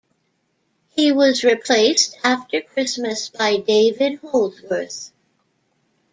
He was replaced after Christmas by David Holdsworth.